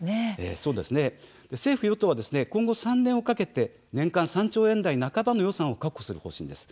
政府与党は今後３年をかけて年間３兆円台半ばの予算を確保する方針です。